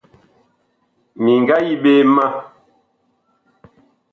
Mi nga yi ɓe ma.